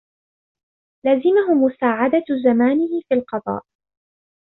لَزِمَهُ مُسَاعِدَةُ زَمَانِهِ فِي الْقَضَاءِ